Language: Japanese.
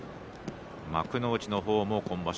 幕内の方も今場所